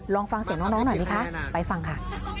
ลองฟังเสียงน้องหน่อยไหมคะไปฟังค่ะ